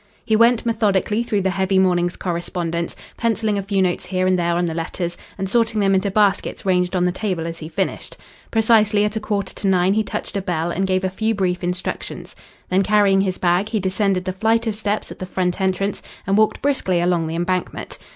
He went methodically through the heavy morning's correspondence, pencilling a few notes here and there on the letters, and sorting them into baskets ranged on the table as he finished. Precisely at a quarter to nine he touched a bell, and gave a few brief instructions. Then, carrying his bag, he descended the flight of steps at the front entrance and walked briskly along the Embankment.